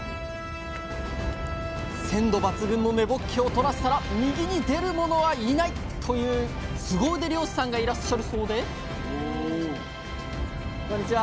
「鮮度抜群の根ぼっけをとらせたら右に出る者はいない！」というスゴ腕漁師さんがいらっしゃるそうでこんにちは。